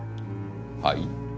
はい？